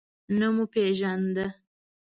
نه مو پیژانده.